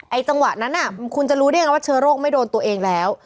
จังหวะนั้นคุณจะรู้ได้ยังไงว่าเชื้อโรคไม่โดนตัวเองแล้ว